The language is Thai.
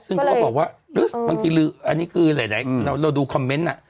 ซึ่งพวกเขาบอกว่าอื้อบางทีลื้ออันนี้คือหลายเราดูคอมเมนต์น่ะ